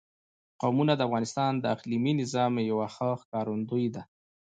قومونه د افغانستان د اقلیمي نظام یوه ښه ښکارندوی ده.